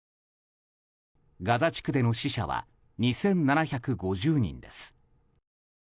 ガザ地区での死者は２７５０人です。